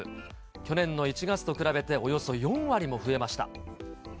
去年の１月と比べて、およそ４割も増えました。